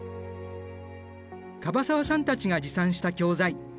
椛沢さんたちが持参した教材。